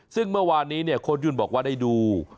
ซึ่งเมื่อวานนี้โค้ดยุ่นบอกว่าได้ดู